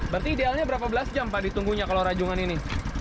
berarti idealnya berapa belas jam pak ditunggunya kalau rajungan ini